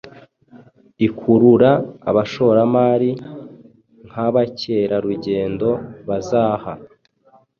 ikurura abashoramari.nkabacyerarugendo bazaha.